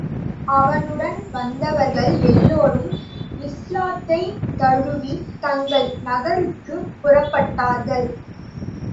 அவனுடன் வந்தவர்கள் எல்லோரும் இஸ்லாத்தைத் தழுவி, தங்கள் நகருக்குப் புறப்பட்டார்கள்.